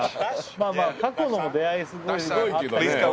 まあまあ過去のも出会いすごいあったけど。